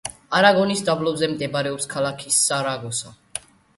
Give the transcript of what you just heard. არაგონის დაბლობზე მდებარეობს ქალაქი სარაგოსა.